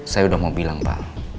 saya udah mau bilang pa